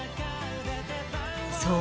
そう。